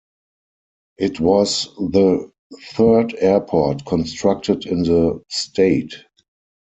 It was the third airport constructed in the state.